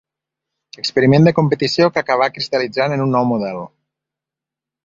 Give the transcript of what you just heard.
Experiment de competició que acabà cristal·litzant en un nou model.